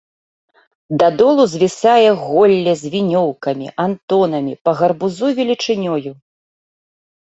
Да долу звісае голле з вінёўкамі, антонамі, па гарбузу велічынёю.